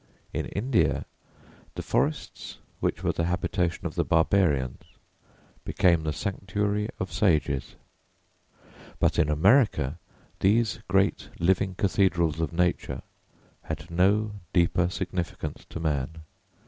In India the forests which were the habitation of the barbarians became the sanctuary of sages, but in America these great living cathedrals of nature had no deeper significance to man.